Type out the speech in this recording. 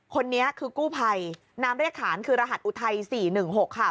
คนนี้คือกู้ภัยน้ำเรียกขานคือรหัสอุทัย๔๑๖ค่ะ